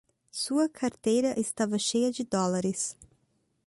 Sua carteira estava cheia de dólares